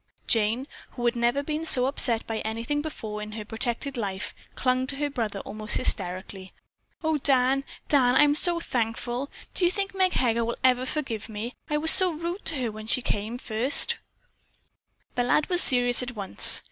Jane, who had never been so upset by anything before in her protected life, clung to her brother almost hysterically. "Oh, Dan, Dan, I am so thankful! Do you think Meg Heger will ever forgive me? I was so rude to her when she first came." The lad was serious at once.